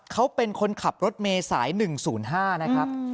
เขาเป็นคนขับรถเมย์สาย๑๐๕นะครับ